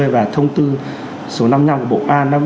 và thông tư số năm mươi năm của bộ an